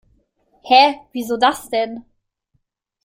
Hä, wieso das denn?